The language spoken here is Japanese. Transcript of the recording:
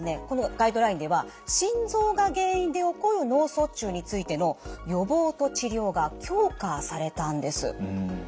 このガイドラインでは心臓が原因で起こる脳卒中についての予防と治療が強化されたんです。